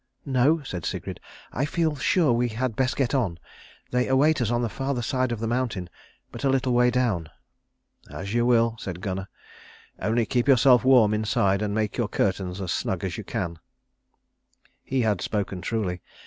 "No," said Sigrid, "I feel sure we had best get on. They await us on the further side of the mountain, but a little way down." "As you will," said Gunnar; "only keep yourself warm inside, and make your curtains as snug as you can." He had spoken truly.